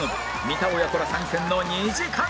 三田親子ら参戦の２時間！